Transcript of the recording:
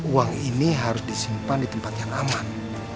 uang ini harus disimpan di tempat yang aman